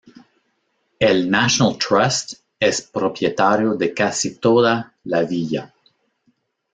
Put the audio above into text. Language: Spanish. El National Trust es propietario de casi toda la villa.